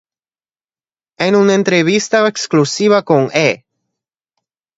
En una entrevista exclusiva con E!